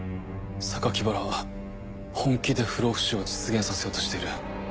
原は本気で不老不死を実現させようとしている。